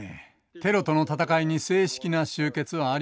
「テロとの戦い」に正式な終結はありません。